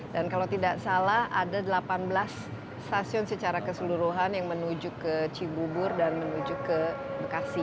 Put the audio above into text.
dan kalau tidak salah ada delapan belas stasiun secara keseluruhan yang menuju ke cibubur dan menuju ke bekasi